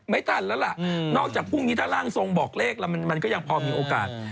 ไม่ทันแล้วล่ะนอกจากพรุ่งนี้ถ้าร่างทรงบอกเลขแล้วมันก็ยังพอมีโอกาส